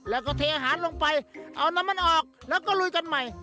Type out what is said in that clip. แล้วก็เทอาหารลงไปเอาน้ำมันออกแล้วก็ลุยกันใหม่